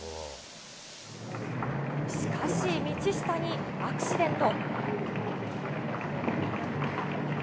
しかし道下にアクシデント。